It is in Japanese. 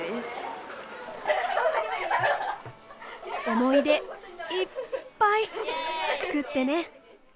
思い出いっぱい作ってね。